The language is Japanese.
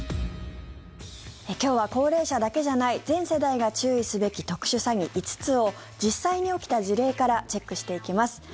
今日は高齢者だけじゃない全世代が注意すべき特殊詐欺５つを実際に起きた事例からチェックしていきます。